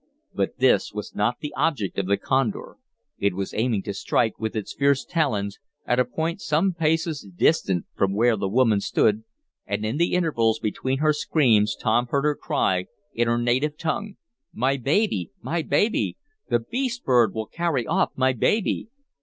But this was not the object of the condor. It was aiming to strike, with its fierce talons, at a point some paces distant from where the woman stood, and in the intervals between her screams Tom heard her cry, in her native tongue: "My baby! My baby! The beast bird will carry off my baby!"